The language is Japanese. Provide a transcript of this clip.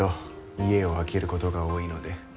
家を空けることが多いので。